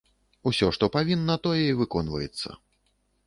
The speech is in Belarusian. Усё, што павінна, тое і выконваецца.